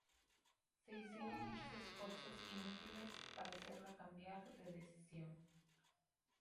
Se hicieron muchos esfuerzos inútiles para hacerla cambiar de decisión.